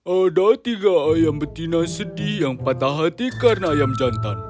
ada tiga ayam betina sedih yang patah hati karena ayam jantan